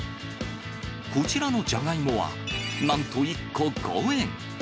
こちらのじゃがいもは、なんと１個５円。